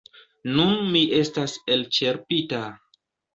Nun mi estas elĉerpita.